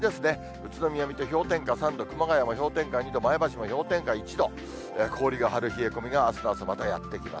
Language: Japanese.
宇都宮、水戸、氷点下３度、熊谷も氷点下２度、前橋も氷点下１度、氷が張る冷え込みが、あすの朝、またやって来ます。